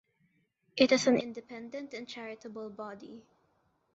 It is an independent and charitable body.